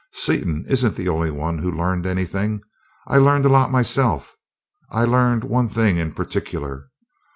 Seaton isn't the only one who learned anything I learned a lot myself. I learned one thing in particular.